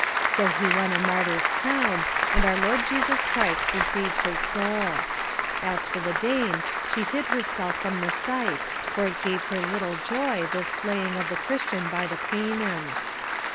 So he won a martyr's crown, and our Lord Jesus Christ received his soul. As for the dame, she hid herself from the sight, for it gave her little joy, this slaying of the Christian by the Paynims.